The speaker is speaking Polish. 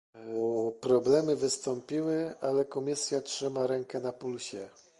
Problemy wystąpiły, ale Komisja trzyma rękę na pulsie